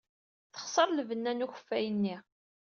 Texṣer lbenna n ukeffay-nni.